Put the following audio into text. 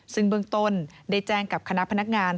ซึ่งเบื้องต้นได้แจ้งกับคณะพนักงาน